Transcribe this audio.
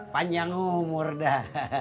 panjang umur dah